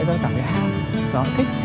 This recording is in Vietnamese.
nó cảm thấy ham nó thích